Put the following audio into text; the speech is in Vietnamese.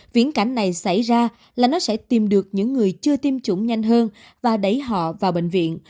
viễn cảnh này xảy ra là nó sẽ tìm được những người chưa tiêm chủng nhanh hơn và đẩy họ vào bệnh viện